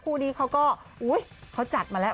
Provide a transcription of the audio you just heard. คู่นี้เขาก็อุ๊ยเขาจัดมาแล้ว